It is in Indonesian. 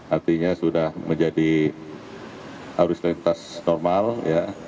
artinya sudah menjadi arus lintas normal ya